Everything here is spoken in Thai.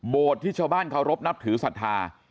โบสถ์ที่ชาวบ้านเค้ารบนับถือสัทธา